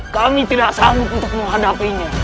kami tidak sanggup untuk menghadapinya